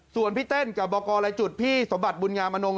ส่วนพี่เต้นกับบรพี่สมบัติบุญงามนง